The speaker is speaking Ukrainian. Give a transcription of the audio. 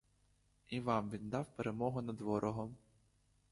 І вам він дав перемогу над ворогом.